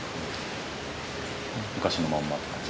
昔のまんまって感じ？